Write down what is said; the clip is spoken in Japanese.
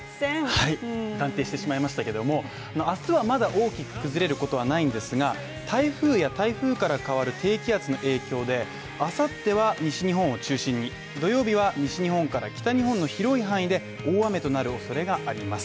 断定してしまいましたけど明日はまだ大きく崩れることはないんですが台風や台風から変わる低気圧の影響であさっては西日本を中心に土曜日は西日本から北日本の広い範囲で大雨となるおそれがあります。